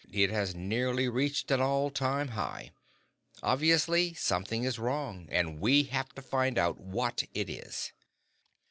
It has nearly reached an all time high. Obviously, something is wrong, and we have to find out what it is."